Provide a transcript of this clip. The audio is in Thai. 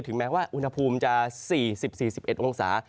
แม้ว่าอุณหภูมิจะ๔๐๔๑องศา